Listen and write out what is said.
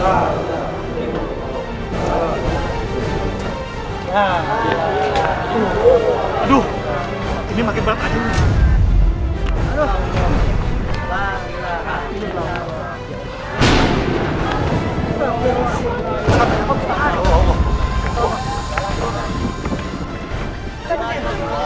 aduh ini makin berat aja ini